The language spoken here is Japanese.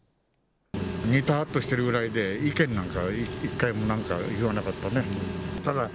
にたぁっとしているくらいで、意見なんか一回も、なんか言わなかったね。